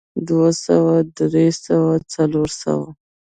دوه سوه درې سوه څلور سوه